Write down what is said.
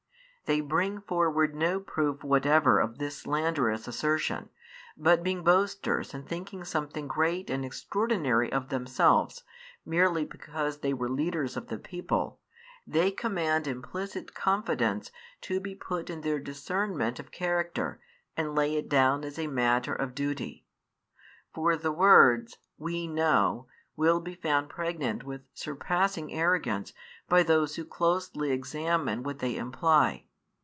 They bring forward no proof whatever of this slanderous assertion, but being boasters and thinking something great and extraordinary of themselves, merely because they were leaders of the people, they command implicit confidence to be put in their discernment of character, and lay it down as a matter of duty. For the words, We know, will be found pregnant with surpassing arrogance by those who closely examine what they imply.